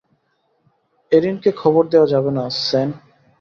এরিনকে খবর দেয়া যাবে না স্যান।